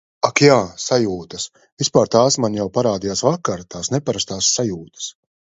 Ak jā, sajūtas!!! Vispār tās man jau parādījās vakar, tās neparastās sajūtas.